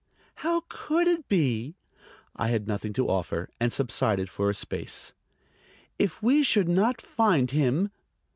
"How could it be!" I had nothing to offer, and subsided for a space. "If we should not find him!"